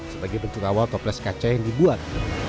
sebagai bentuk awal toples kaca yang dibuat